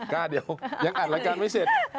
กล้าเดี๋ยวยังอัดรายการไม่เสร็จ